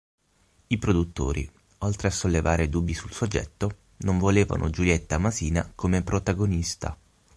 I produttori, oltre a sollevare dubbi sul soggetto, non volevano Giulietta Masina come protagonista.